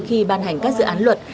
khi ban hành các dự án luật